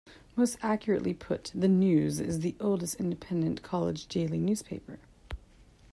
Most accurately put, the "News" is the oldest independent college daily newspaper.